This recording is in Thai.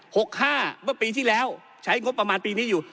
หกห้าเมื่อปีที่แล้วใช้งบประมาณปีนี้อยู่